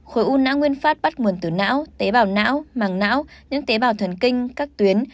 khối u não nguyên phát bắt nguồn từ não tế bào não màng não những tế bào thần kinh các tuyến